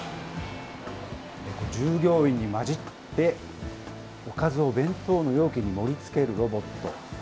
従業員に交じって、おかずを弁当の容器に盛りつけるロボット。